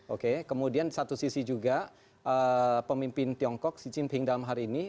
oke kemudian satu sisi juga pemimpin tiongkok xi jinping dalam hari ini